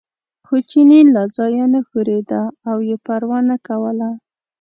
خو چیني له ځایه نه ښورېده او یې پروا نه کوله.